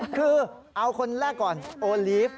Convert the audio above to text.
คือเอาคนแรกก่อนโอลีฟ